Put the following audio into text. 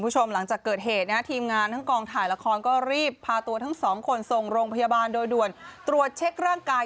คุณผู้ชมหลังจากเกิดเหตุนะฮะทีมงานทั้งกองถ่ายละครก็รีบพาตัวทั้งสองคนส่งโรงพยาบาลโดยด่วนตรวจเช็คร่างกาย